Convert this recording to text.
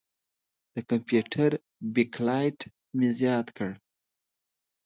د کمپیوټر بیک لایټ مې زیات کړ.